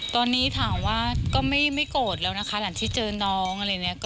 ตอนนี้ถามว่าก็ไม่โกรธแล้วนะคะหลังที่เจอน้องอะไรอย่างนี้